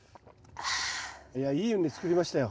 いやいい畝作りましたよ